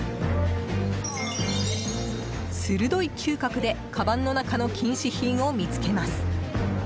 鋭い嗅覚でかばんの中の禁止品を見つけます。